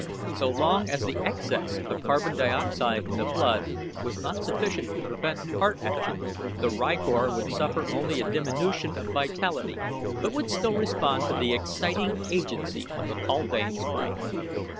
So long as the excess of carbon dioxide in the blood was not sufficient to prevent heart action, the rykor would suffer only a diminution of vitality; but would still respond to the exciting agency of the kaldane's brain.